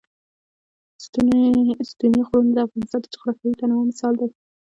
ستوني غرونه د افغانستان د جغرافیوي تنوع مثال دی.